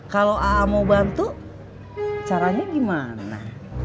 kalau aa mau bantu caranya gimana